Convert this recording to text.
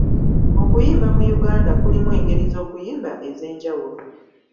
Okuyimba mu Uganda kulimu engeri z'okuyimba ez'enjawulo.